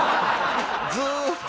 ずーっと。